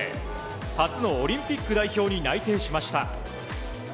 初のオリンピック代表に内定しました。